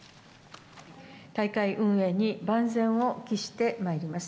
大会運営に万全を期してまいります。